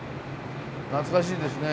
懐かしいですね